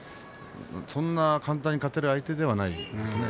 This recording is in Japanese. そんなに簡単に勝てる相手ではないですね。